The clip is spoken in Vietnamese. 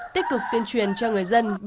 tích cực tuyên truyền cho người dân